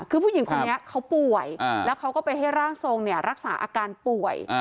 คือผู้หญิงคนนี้เขาป่วยแล้วเขาก็ไปให้ร่างทรงรักษาอาการป่วย